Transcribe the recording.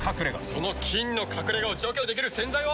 その菌の隠れ家を除去できる洗剤は。